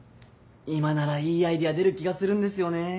今ならいいアイデア出る気がするんですよね。